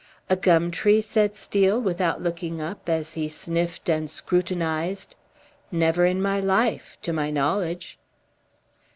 "A gum tree?" said Steel, without looking up, as he sniffed and scrutinized. "Never in all my life to my knowledge!"